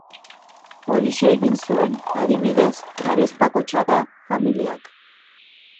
Horixe egin zuen, adibidez, Arespakotxaga familiak.